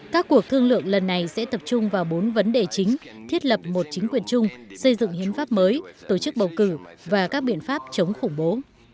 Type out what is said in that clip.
các cuộc thương lượng lần này sẽ tập trung vào bốn vấn đề chính thiết lập một chính quyền chung xây dựng hiến pháp mới tổ chức bầu cử và các biện pháp chống khủng bố